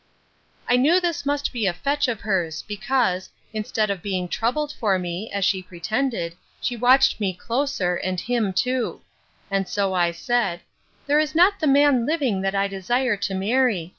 I knew this must be a fetch of hers; because, instead of being troubled for me, as she pretended, she watched me closer, and him too: and so I said, There is not the man living that I desire to marry.